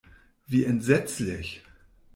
Wie entsetzlich!